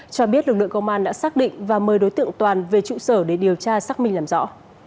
cho biết lực lượng công an đã xác định và mời đối tượng toàn về trụ sở để điều tra xác minh làm rõ